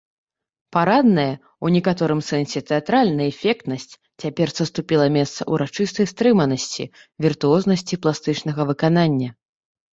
Парадная, у некаторым сэнсе тэатральная эфектнасць цяпер саступіла месца ўрачыстай стрыманасці, віртуознасці пластычнага выканання.